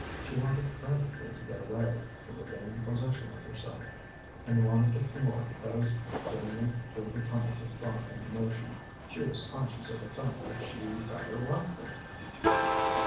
She wanted frantically to get away, to regain possession of herself; and wanted it the more because, dimly through the tumult of thought and emotion, she was conscious of the fact that she rather liked it.